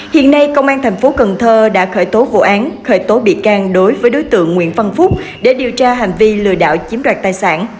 hiện nay công an thành phố cần thơ đã khởi tố vụ án khởi tố bị can đối với đối tượng nguyễn văn phúc để điều tra hành vi lừa đảo chiếm đoạt tài sản